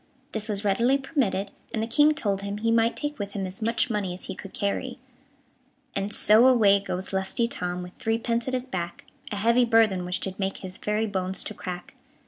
This was readily permitted, and the King told him he might take with him as much money as he could carry. And so away goes lusty Tom, With three pence at his back A heavy burthen which did make His very bones to crack.